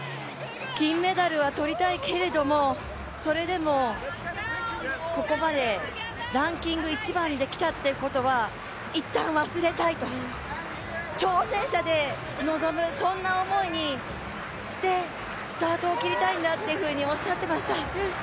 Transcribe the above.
金メダルは取りたいけれども、それでもここまでランキング１番で来たということはいったん忘れたいと、挑戦者で臨むそんな思いにしてスタートを切りたいんだとおっしゃっていました。